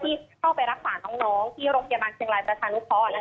ที่เข้าไปรักษาน้องที่โรงพยาบาลเชียงรายประชานุเคราะห์